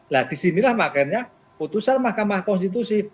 nah disinilah makanya putusan mahkamah konstitusi